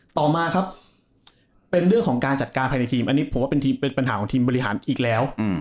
ต่อมาครับเป็นเรื่องของการจัดการภายในทีมอันนี้ผมว่าเป็นทีมเป็นปัญหาของทีมบริหารอีกแล้ว